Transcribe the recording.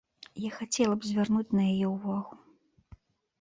Я хацела б звярнуць на яе ўвагу.